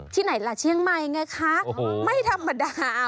ไหนล่ะเชียงใหม่ไงคะไม่ธรรมดา